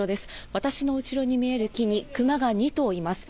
私の後ろに見える木にクマが２頭います。